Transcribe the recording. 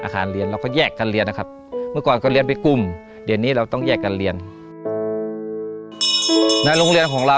การบวกคืออะไร